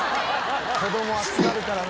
子供熱がるからな。